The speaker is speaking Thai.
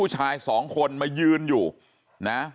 ทำให้สัมภาษณ์อะไรต่างนานไปออกรายการเยอะแยะไปหมด